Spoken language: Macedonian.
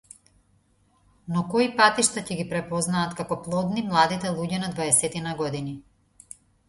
Но кои патишта ќе ги препознаат како плодни младите луѓе на дваесетина години?